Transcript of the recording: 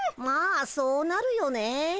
まあそうなるよね。